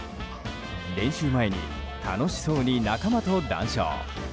練習前に楽しそうに仲間と談笑。